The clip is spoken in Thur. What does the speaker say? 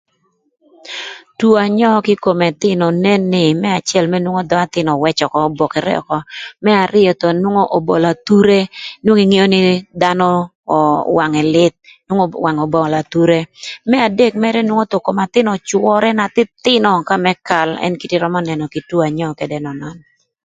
Two anyöö kï kom ëthïnö nen nï më acël mërë nwongo dhö athïn öwëc ökö, obokere ökö, më arïö thon nwongo obolo athure nwongo ingeo nï dhanö wangë lïth nwongo obolo athure, më adek mërë nwongo thon kom athïn öcwörë na thïnöthïnö kamë kal ën kite nï römö nënö kï two anyöö ködë enönön.